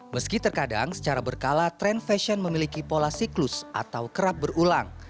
meski terkadang secara berkala tren fashion memiliki pola siklus atau kerap berulang